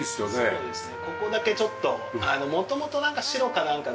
そうですね。